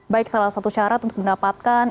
baik salah satu syarat untuk mendapatkan